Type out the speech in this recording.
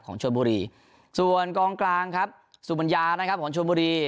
ชนบุรีส่วนกองกลางครับสุบัญญานะครับของชนบุรี